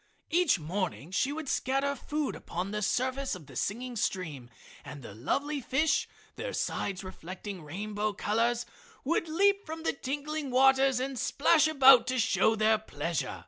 Each morning she would scatter food upon the surface of the singing stream and the lovely fish, their sides reflecting rainbow colors, would leap from the tinkling waters and splash about to show their pleasure.